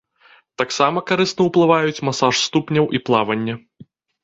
Таксама карысна ўплываюць масаж ступняў і плаванне.